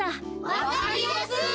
わかりやすい！